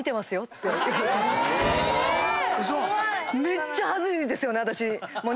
めっちゃはずいですよね